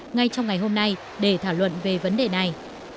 ngay trong ngày hôm nay để thảo luận về vấn đề này